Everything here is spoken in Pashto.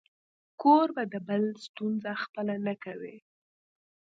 کوربه د بل ستونزه خپله نه کوي.